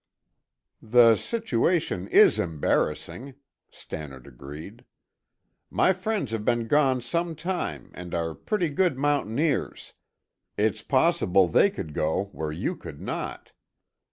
"The situation is embarrassing," Stannard agreed. "My friends have been gone some time and are pretty good mountaineers; it's possible they could go where you could not.